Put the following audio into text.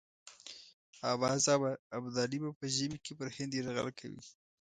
آوازه وه ابدالي به په ژمي کې پر هند یرغل کوي.